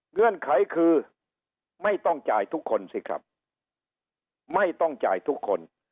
เงื่อนไขคือไม่ต้องจ่ายทุกคนสิครับไม่ต้องจ่ายทุกคน